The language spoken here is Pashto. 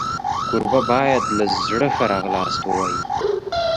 کوربه باید له زړه ښه راغلاست ووایي.